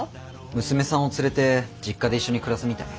娘さんを連れて実家で一緒に暮らすみたい。